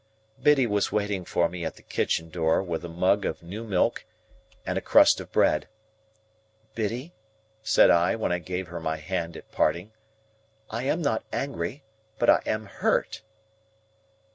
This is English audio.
Biddy was waiting for me at the kitchen door, with a mug of new milk and a crust of bread. "Biddy," said I, when I gave her my hand at parting, "I am not angry, but I am hurt."